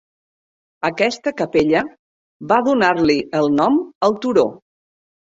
Aquesta capella va donar-li el nom al turó.